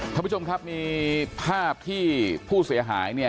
ท่านผู้ชมครับมีภาพที่ผู้เสียหายเนี่ย